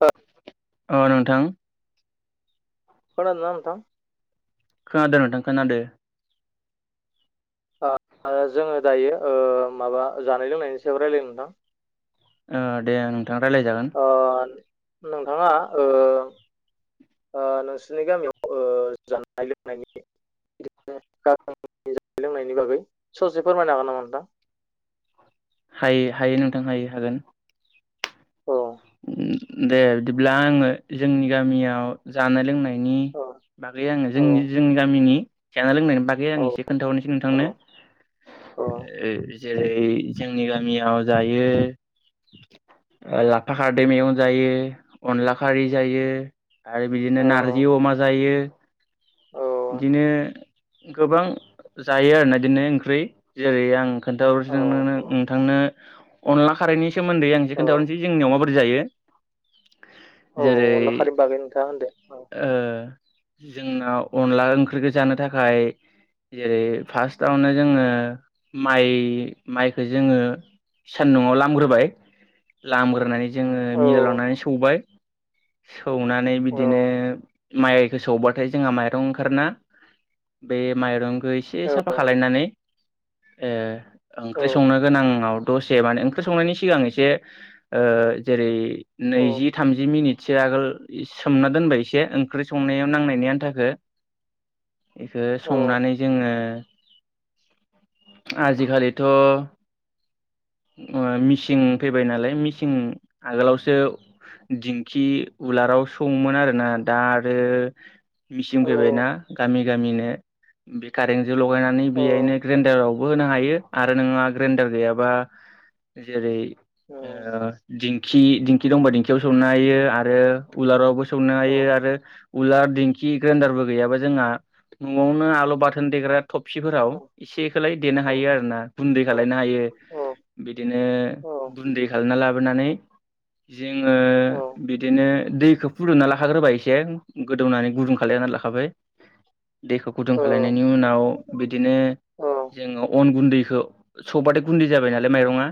औ अ नोंथां खोनादोंना नोंथां खोनादों नोंथां खोनादो जोङो दायो ओ माबा जानाय लोंनायनि सायाव रायजलायनो नोंथां ओ दे नोंथां रायलायजागोन ओ नोंथाङा ओ [inaudible] जानाय लोंनायनि बागै ससे फोरमायनो हागोन नामा नोंथां हायो हायो नोंथां हायो हागोन औ दे बिदिब्ला आङो जोंनि गामियाव जानाय लोंनाय औ बागै आङो औ जोंनि जोंनि गामिनि जना लोंनायनि बागै आं एसे खोन्थाहरनोसै औ नोंथांनो [unintelligible] ओ जेरै जोंनि गामियाव जायो ओ ला- फाखारदै मैगं जायो अनला खारै जायो आरो औ बिदिनो नार्जि अमा जायो औ बिदिनो गोबां जायो आरोना इदिनो ओंख्रि जेरै आं खोन्थाहरसै औ सो नों नों नोंथांनो अनला खारैनि सोमोन्दै आं एसे औ खोन्थाहरनोसै जोंनियाव माबोरै जायो [unintelligible] जेरै अनला खारैनि बागै नोंथाङा होनदो औ ओ जोंनाव अनला ओंख्रिखौ जानो थाखाय जेरै फार्स्टआवनो जोङो माइ माइखो जोङो सान्दुआव लामग्रोबाय लामग्रोनानै जोङो औ मिलाव लांनानै सौबाय सौनानै औ बिदिनो माइखौ सौबाथाय जोंहा माइ रं ओंखारना बे माइरंखौ एसे साफा औ खालायनानै ए औ ओंख्रि संनो गोनांयाव दसे माने ओंख्रि संनायनि सिगां एसे जेरै औ नैजि थामजि मिनिटसो आगोल सोमना दोनबाय एसे ओंख्रि संनायाव नांनायनि आन्थाखौ बेखौ औ संनानै जोङो [unintelligible] आजिखालिथ' [unintelligible] अ मिसिं फैबाय नालाय मिसिं आगोलावसो दिंखि उलार आव सौवोमोन आरोना दा आरो [unintelligible] फैबायना औ गामि गामिनो बे कारेन्टजों लगायनानै बेयायनो ग्रेन्डाराव बो होनो हायो आरो नोङा ग्रेन्डार गैयाबा जेरै- ओ दिंखि दिंखि दंबा दिंखियावबो सौनो हायो आरो उलारावबो सौनो हायो आरो उला दिंखि ग्रेन्डारबो गैयाबा जोंहा न'आवनो आलु बाथोन देग्रा थफसिफोराव औ एसेखौलाय देनो औ औ हायो आरो ना गुन्दै औ खालायनो हायो। औ बिदिनो औ गुनदै खालामना ला नानै जोङो औ बिदिनो दैखौ फुदुंना लाखाग्रोबाय एसे गोदौनानै गुदुं खालायना लाखाबाय दैखौ गुदुं औ खालायनायनि उनाव बिदिनो जोङो अन गुन्दैखौ सौबाथाय गुन्दै जाबाय नालाय माइरंआ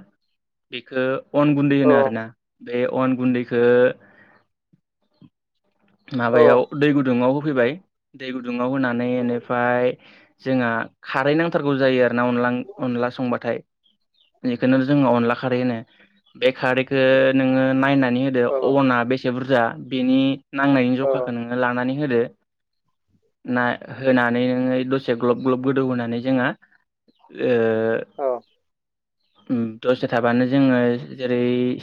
बेखौ अन गुन्दै औ होनो आरोना बे अन गुन्दैखो [unintelligible] औ माबायाव दै गुदुङाव होबाय दै गुदुंआव होनानै इनिफाय जोंहा खारै नांथारगौ जायो आरोना अन बां अनला संबाथाय। बेखौनो जोङो अनला खारै होनो बे खारैखौ नोङो नायना नै होदो औ औ अना बेसे बुरजा बेनि नांनायनि औ जखाखौ नोङो लानानै होदो। [unintelligible] ना होनानै नोङो दसे ग्लब ग्लब गोदौ होनोनानै जोङो ओ ओ ओम दसे थाबानो जोङो जे रै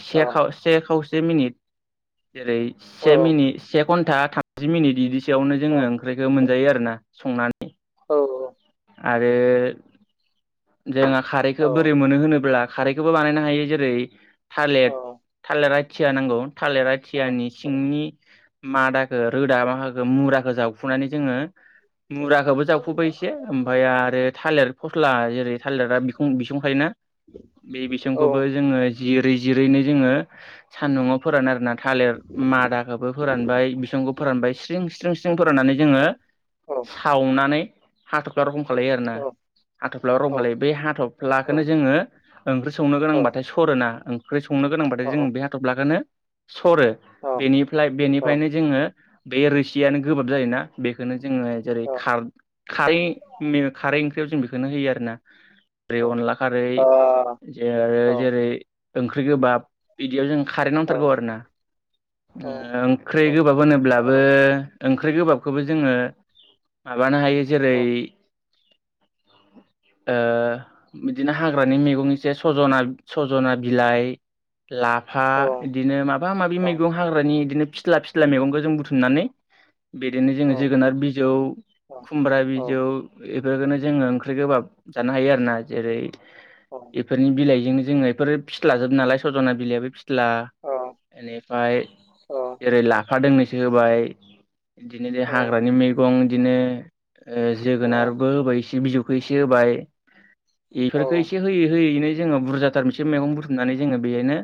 से खाव से खावस से मिनिट जेरै- से औ मिनिट से घन्टा थामजि मिनिट इदिस यावनो जोङो ओंख्रिखौ मोनजायो आरो ना संनानै औऔ आरो जोंहा खारैखौ बोरै मोनो होनोब्ला खारैखौबो बानायनो हायो जेरै- थालेद थालिर आथिया नांगौ थालिर आथियानि औ सिंनि मादाखौ रोदा माहाखौ मु राखौ जावखुनानै जोङो मुराखौबो जावखुबाय एसे ओमफाय आरो थालिर फस्ला जेरै- थालिरा बिखुं बिसुंथायोना बे बिसंखौबो जोङो जिरै जिरैनो जोङो सान्दुंआव फोरानो आरोना थालेर मादाखौबो फोरानबाय बिसंखौ फोरानबाय स्रिं स्रिं स्रिं फोराननानै जोङो सावनानै हाथ'फ्ला रखम खालायो आरोना। हाथ'फ्ला रंखालायो बे हाथ'फ्लाखौनो जोङो ओंख्रि संनो गोनांबाथाय सरो ना ओंख्रि सं नो गोनांबाथाय जों बे हाथ'फ्लाखौनो सरो बेनिफ्राय बेनिफ्रायनो जोङो बे रोसियानो गोबाब जायोना बेखौनो जोङो [unintelligible] जेरै- खार खारै मो खारै ओंख्रियाव जों बेखौनो होयो आर ना ओरै अनला खारै जा जेरै- ओंख्रि गोबाब बिदियाव जों कारै नांथारगौ आरो ना। ओंख्रि गोबाब होनोब्लाबो ओंख्रि गोबाबखौबो जोङो माबानो हायो जेरै- [inaudible] ओ बिदिनो हाग्रानि मैगंनिसे सजना सजना बिलाइ लाफा बिदिनो माबा माबि मैगं हाग्रानि बिदिनो फिस्ला फिस्ला मैगंखौ जों बुथुमनानै बिदिनो जोङो जोगोनार बिजौ खुमब्रा बिजौ बेफोरखौनो जोङो ओंख्रि गोबाब जानो हायो आरो ना जेरै बेफोरनि बिलाइजोंनो जोङो बेफोर फिथलाजोब नालाय सजना बिलाइआो फि सिथ्ला बेनिफ्राय ओेरै लाख बिफा दोंनैसो होबाय बिदिनो हाग्रानि मैगं बिदिनो औ जोगोनारबो होबाय एसे बिजौखौ एसे होबाय औ बेफोरखौ एसे होयो। थयैनो जोङो बुरजाथार मोनसे मैगं बुथुमनानै जोङो बेयनो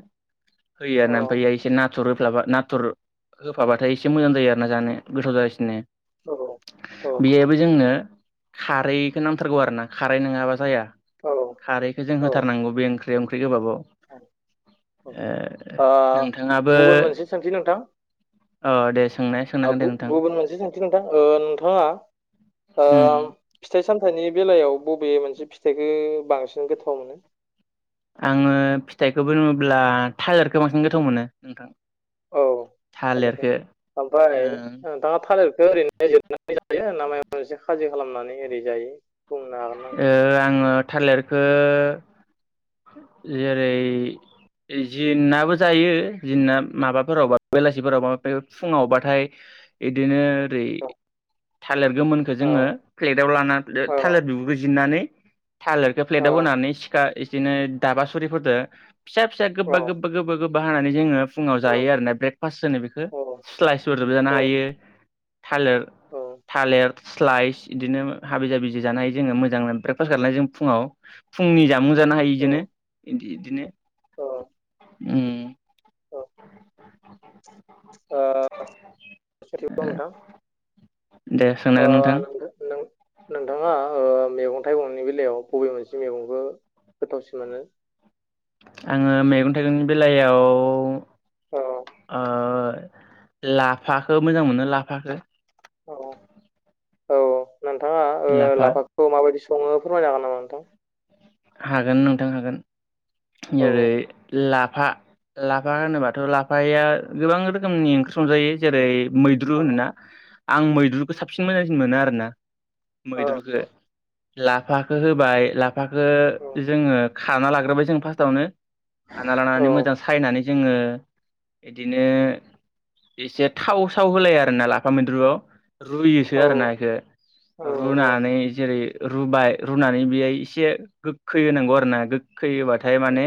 होयो औ ना ओमफ्राय इ एसे नाथुर होफ्लाबा नाथुर होफाबाथाय एसे मोजां जायो आरो ना जानो गोथाव जागासिनो। औ औ बेहबो जोंनो खारैखौ नांथारगौ आरो ना खारै नङाबा जाया? औ खारैखौ जों औ होथारनांगौ बे ओंख्रि ओंख्रि गोबाबाव। ओ नोंथाङाबो गुबुन मोनसे सोंस नोंथां। अ दे सोंनाय सोंनांगोन दे नोंथां गुबुन मोनसे सोंथि नोंथां नोंथाङा ओ उम फिथाइ सामथाइनि बेलायाव बबे मोनसे फिथाइखौ बांसिन गोथाव मोनो,? आङो फिथाइखौबो रुङोब्ला लारखौ बांसिन गोथाव मोनो नोंथां। औ थालिरखौ थालिरखो ओ ओमफ्राय नोंथाङा थालिरखौ ओरैनोनाय जोबनानै जायो ना माइ एसे खाजि खालामनानै ओरै जायो। बुंनो हागोन ना नोंथां ओ आङो थालिरखौ [inaudible] जेरै जिनाबो जायो जिना माबाफोरावब बेलासिफोरावबा फुङावबाथाय एदिनो ओरै औ थालिर गोमोनखौ औ जोङो प्लेटाव ला थालिर औ बिबोग नानै थालिरखौ औ प्लेटाव होनानै सिखा बिदिनो दाब सुरिफोरदो फिसा फिसा औ गोबा गोबा गोबा ह जोङो फुङाव औ जायो आरोोना ब्रेकफाज होनो बेखौ औ सइसर। रोबजानो हायो थालिर औ थालिर स्लाइस बिदिनो हाबि जाबि जानाय जोङो मोजां ब्रेकफास्ट खालामनाय ज फुङाव फुंनि जा मो जानो हायो बिदिनो बिदिनो औ ओं ओ खाथिबो नोंथां। दे [inaudible] सोंनांगोन नोंथां नोंथाङा ओ मैगं-थाइगंनि बेलायाव बबे मोनसे मैगंखौ गोथावसिन मोनो? आङो मैगं थाइगंनि बेलायाव औ ओ लाफाखौ मोजां मोनो लाफाखो औ औ नोंथाङा ओ लाफा लाफाखौ माबायदि सङो फोरमायनो हागोन नामा नोंथां? हागोन नोंथां हागोन। औ जेरै लाफा लाफा होनोबाथ' लाफाया गोबां रोखोमनि ओंख्रि संजायो जेरै- मैद्रु औ होनोना आं मैद्रुखौ साबसिन मोजांसिन मोनो आरोना। औ मैद्रुखौ लाफाखौ होबाय लाफाखौ औ जोङो खारना लाग्रोबाय जों फार्स्टआवनो खाना लानानै मोजां सायनानै जोङो बिदिनो एसे थाव साव होलाया आरो ना लाफा मैद्रुआव रुयोसो औ आरो ना बेखौ औ रुनानै जेरै रुबाय रुनानै बेहाय एसे गोखै होनांगौ आरो ना गोखै होबाथाय माने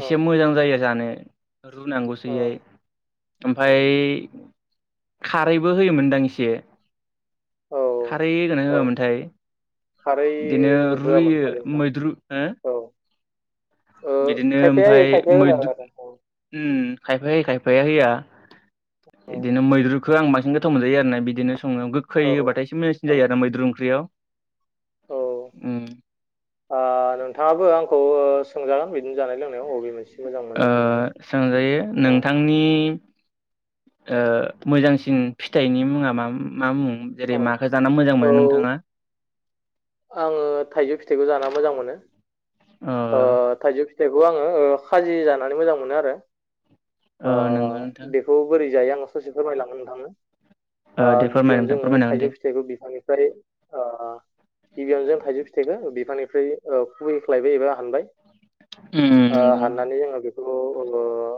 एसे मोजां जायो जानो औ रुनांगौसैहाय ओमफाय उम खारैबो होयोमोनदां इसे औ खारै होगोना औ होआमोनथाय? खारै होआमोन रुइयो खालि नोंथां मैद्रु हो औ ओ बिदिनो खायफाया होयो ओमफ्राय खायफाया होआ मैद्रु आरो औ उम खायफा होयो खायफा या होया। औ बिदिनो मैद्रुखौ आं बांसिन गोथाव मोनजायो आरोना बिदिनो सङो गोखै होबाथाय एसे मोजांसिन औ जायो आरो मैद्रु ओंख्रियाव औ उम। ओ नोंथाङाबो आंखौ सोंजागोन बिदिनो जानाय लोंनायाव अबे मोनसे मोजां मोनो ओ मोननाय सोंजायो औ नोंथांनि ओ मोजांसिन फिथाइनि मुङा मा मा मुं? औ जेरै माखौ जाना मोजां औ मोनो नोंथाङा? आङो थाइजौ फिथाइखौ जाना मोजां मोनो। अ ओ थाइजौ फिथाइखौ आङो ओ खाजि जानानै मोजां मोनो आरो। अ नंगौ नोंथां, दायो आङो ससे फोरमायलांनो नोंथांनो आ ओ दे फोरमाय गिबियावनो नोंथां जोङो फोरमायनो हागोन थाइजौ दे फिथाइखौ बिफांनिफ्राय आ गिबियावनो थाइजौ फिथाइखौ बिफांनि फ्राय ओ खुबैख्लायबाय एबा हानबाय उम आ नंगौ नोंथां हाननानै जोङो बे खौ ओ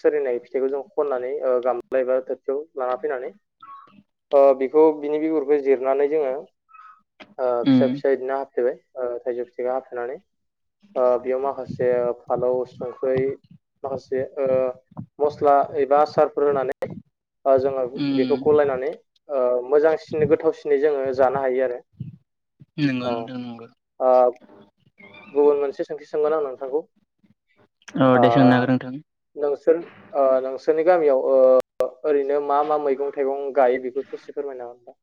सोरिनाय फिथाइखौ जों खननानै गामला एबा थोरथियाव लाना फैनानै आ बेखौ बिनि बिगुरखौ जिरनानै जोङो ओ फिसा उम फिसा बिदिनो हाबफ्लेबाय ओ थाइजौ फिथाइखौ हाफ्लेनानै ओ बेयाव माखासे फालौ संख्रै माखासे ओ मस्ला एबा आसारफोर होनानै ओ जोङो बेखौ उम गलायनानै ओ मोजांसिन गोथावसिनै जोङो जानो हायो आरो। नोंगौ औ नोंथां नोंगौ। ओ गुबुन मोनसे सोंथि सोंगोन आं नोंथांखौ औ आ दे सोंनो हागोन नोंथां नोंसोर ओ नोंसोरनि गामियाव ओ ओरैनो मा मा मैगं थाइगं गायो बेखौ ससे फोरमायना हो नोंथां?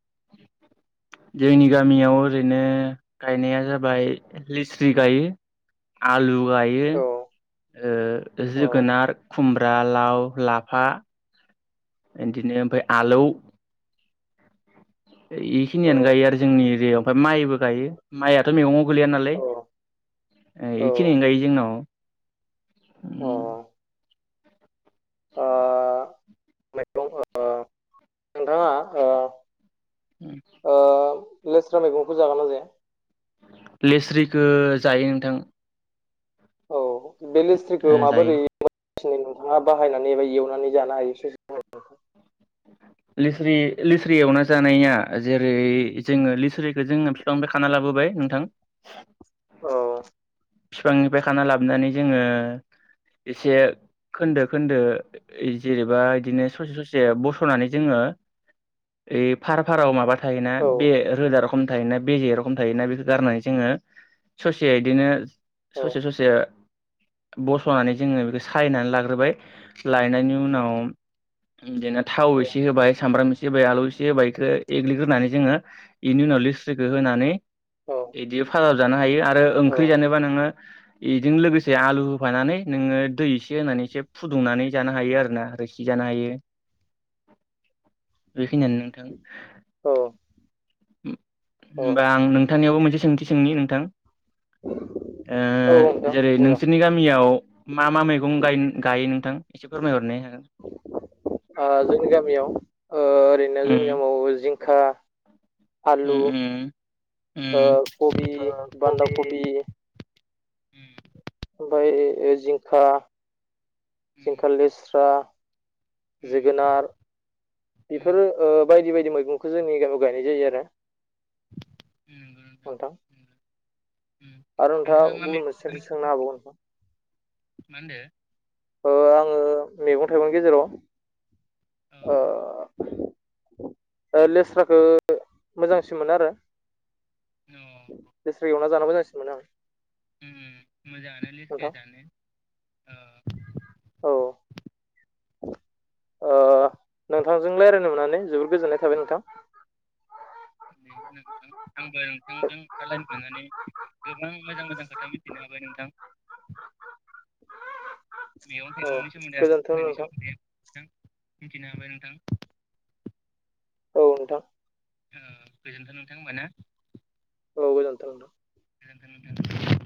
जोंनि गामियाव ओरैनो गायनाया जाबाय लिस्रि गायो आलु गायो, औ ओ औ जोगोनार, खुमब्रा, लाव, लाफा, बिदिनो ओमफ्राय आलौ, इखिनियानो गायो औ आरो जोंनि एरिायाव। ओमफ्राय माइबो गायो, माइआथ' मैगङावव गोलैया नालाय ए औ इखिनिखोनो गायो जोंनाव आ नोंथांङा ओ ओ [unintelligible] लेस्रा मैगंखौ जागोन ना जाया? लेस्रिखो जायो नोंथां। औ बे लेस्रिखौ ओ जायो माबोरै दिनै नोंथाङा बाहायनानै एबा एवनानै जानो हायो ‌? लिस्रि लिस्रि एवना जानाया जेरै जोङो लिस्रिखौ जों बिफांनिफ्राय खाना लाबोबाय नोंथां औ बिफांनिफ्राय खाना लाबोनानै जोङो एसे खोन्दो खोन्दो जेनेबा बिदिनो ससे ससे बस' नानै जोङो फार फाराव माबा थायोना औ बे रोदा रखम थायोना बेजे रखम थायोना बेखौ गारनानै जोङो ससे बिदिनो औ ससे ससे बस'नानै जोङो बेखौ सायनानै लाग्रोबाय लायनायनि उनाव बिदिनो थाव एसे होबाय सामब्रामइ से होबाय आलौ इसे होबायखौ एग्लिग्रोनानै जोङो बेनि उनाव लिस्रिखो होनानै औ बिदि फाजाबो जानो हायो आरो औ ओंख्रि जानोबा नोङो बेजों लोगोसे आलु होफानानै नोङो दै एसे होनानै एसे फुदुंनानै जानो हायो आरोना रोसि जानो हायो बेखिनियानो नोंथां औ होनोमबा औ आं नोंथांनियावबो मोनसे सोंथि सोंनि नोंथां [unintelligible] औ ओ नोंथां जेरै मोजां नोंसोरनि गामियाव मा- मा मैगं गायो नोंथां एसे फोरमायहरनो हागोन? [unintelligible] ओ जोंनि गामियाव ओरैनो उम जोंनि गामियाव जिंखा आलु, उम उम उम कबि, ओ कबि बान्दाकबि ओमफ्राय जिंखा- जिंखा, लेस्रा जोगोनार बेफोरो बायदि-बाय दि मैगंखौ जोंनि गामियाव गायनाय जायो आरो उ नंगौ नोंथां आरो नोंथाङा गुबुन मोनसे सोंथि सोंनो हाबावगोन नोंथां माहोन्दो ओ आङो मैगं -थाइगंनि गेजेराव औ लेस्राखौ मोजांसिन मोनो आरो लेस्रा एवना जानो मोजांसिन मोनो आं उ- उ मोजां आनो नोंथां लेस्राया जानो ओ औ ओ नोंथांजों रायज्लायनो मोननानै जोबोर गोजोननाय थाबाय नोंथां आंबो नोंथांजों रायज्लायनो मोननानै गोबां मोजां मोजां खोथा मिथिनो हाबाय नोंथां मैगं औ -थाइगंनि सोमोन्दै आरो गोजोन्थों - नोंथां सोमोन्दै नोंथां मिथिनो हाबाय नोंथां औ नोंथां ओ गोजोनथों नोंथां होनबा ना औ गोजोन्थों नोंथां [unintelligible]